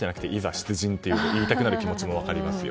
出陣って言いたくなる気持ちも分かります。